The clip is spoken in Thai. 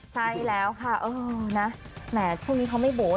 ใช่แล้วค่ะเออนะแหมช่วงนี้เขาไม่โบสถ